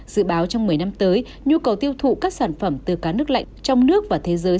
dự báo trong một mươi năm tới nhu cầu tiêu thụ các sản phẩm từ cá nước lạnh trong nước và thế giới